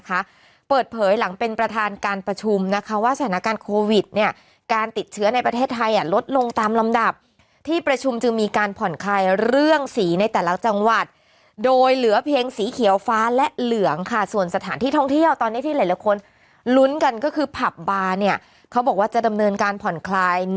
เปิดเผยหลังเป็นประธานการประชุมนะคะว่าสถานการณ์โควิดเนี่ยการติดเชื้อในประเทศไทยอ่ะลดลงตามลำดับที่ประชุมจึงมีการผ่อนคลายเรื่องสีในแต่ละจังหวัดโดยเหลือเพียงสีเขียวฟ้าและเหลืองค่ะส่วนสถานที่ท่องเที่ยวตอนนี้ที่หลายคนลุ้นกันก็คือผับบาร์เนี่ยเขาบอกว่าจะดำเนินการผ่อนคลาย